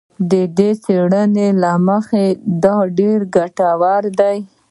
د دې څېړنې له مخې دا ډېر ګټور دی